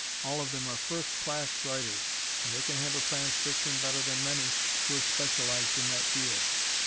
All of them are first class writers, and they can handle Science Fiction better than many who have specialized in that field.